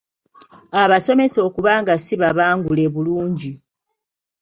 Abasomesa okuba nga si babangule bulungi.